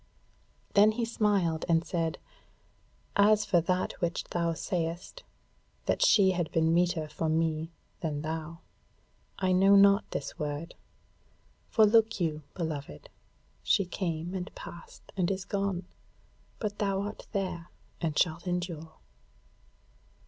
Then he smiled and said; "As for that which thou sayest, that she had been meeter for me than thou, I know not this word. For look you, beloved, she came, and passed, and is gone, but thou art there and shalt endure."